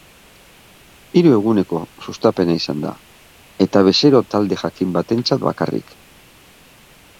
Hiru eguneko sustapena izan da, eta bezero talde jakin batentzat bakarrik.